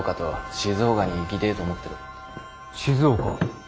静岡？